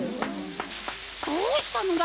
どうしたのだ？